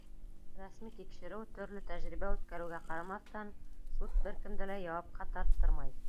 Рәсми тикшереү, төрлө тәжрибә үткәреүгә ҡарамаҫтан, суд бер кемде лә яуапҡа тарттырмай.